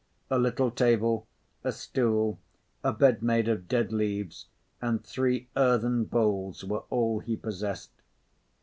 A little table, a stool, a bed made of dead leaves and three earthen bowls were all he possessed.